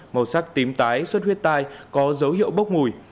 màu sắc tím tái xuất huyết tai có dấu hiệu bốc mùi